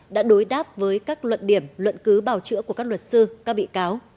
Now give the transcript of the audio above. đã đối đáp với các luận điểm luận cứ bảo chữa của các luật sư các bị cáo